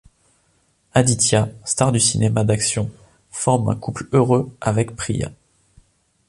Aditya, star du cinéma d'action, forme un couple heureux avec Priya.